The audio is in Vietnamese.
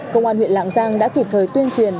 công an huyện lạng giang đã kịp thời tuyên truyền